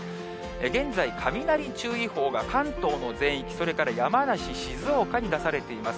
現在、雷注意報が、関東の全域、それから山梨、静岡に出されています。